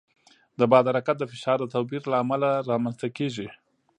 د باد حرکت د فشار د توپیر له امله رامنځته کېږي.